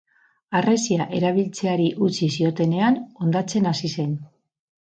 Harresia erabiltzeari utzi ziotenean hondatzen hasi zen.